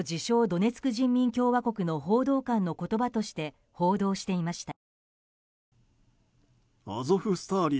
ドネツク人民共和国の報道官の言葉として報道していました。